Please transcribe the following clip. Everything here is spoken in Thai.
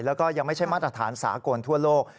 แล้วก็ยังไม่ใช่มาตรฐานสากลทั่วโลก